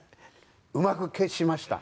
うまく消しました。